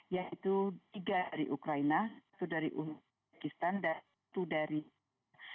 yaitu tiga dari ukraina satu dari uzbekistan dan satu dari china